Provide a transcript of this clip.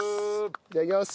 いただきます。